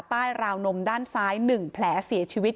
ราวนมด้านซ้าย๑แผลเสียชีวิต